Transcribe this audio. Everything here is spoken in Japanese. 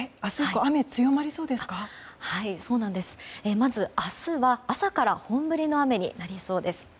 まず明日は朝から本降りの雨になりそうです。